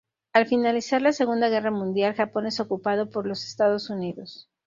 Al finalizar la Segunda Guerra Mundial, Japón es ocupado por los Estados Unidos.